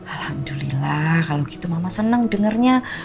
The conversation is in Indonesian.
alhamdulillah kalau gitu mama senang dengarnya